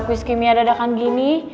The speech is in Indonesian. kuis kimia dadakan gini